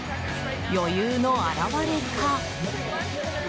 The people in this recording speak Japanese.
余裕の表れか。